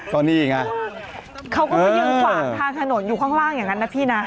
เขาก้ยืงฟังทางถนนอยู่ข้างล่างอย่างนั้นนะพี่น่ะ